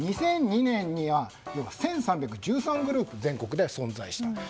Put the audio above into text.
２００２年には１３１３グループが全国で存在した。